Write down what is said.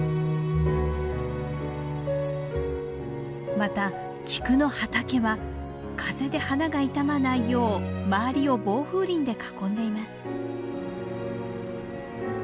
また菊の畑は風で花が傷まないよう周りを防風林で囲んでいます。